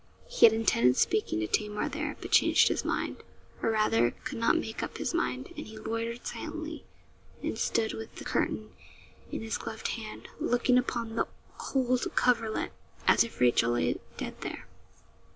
He had intended speaking to Tamar there, but changed his mind, or rather could not make up his mind; and he loitered silently, and stood with the curtain in his gloved hand, looking upon the cold coverlet, as if Rachel lay dead there.